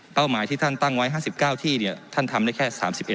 หมายที่ท่านตั้งไว้๕๙ที่ท่านทำได้แค่๓๑